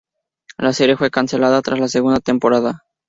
La serie fue cancelada tras la segunda temporada.